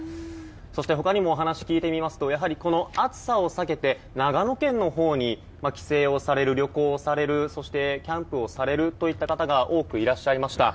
そして、他にもお話を聞いてみますと暑さを避けて長野県のほうに帰省をされる旅行される、そしてキャンプをされるといった方が多くいらっしゃいました。